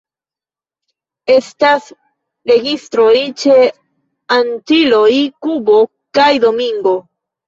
Estas registroj ĉe Antiloj, Kubo kaj Domingo.